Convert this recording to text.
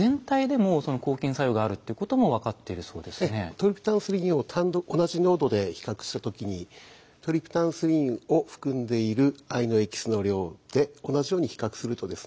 トリプタンスリンを同じ濃度で比較した時にトリプタンスリンを含んでいる藍のエキスの量で同じように比較するとですね